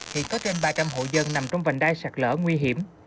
hiện có trên ba trăm linh hộ dân nằm trong vành đai sạt lở nguy hiểm